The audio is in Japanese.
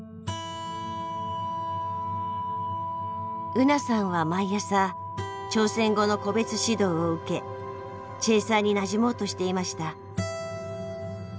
ウナさんは毎朝朝鮮語の個別指導を受けチェーサーになじもうとしていました。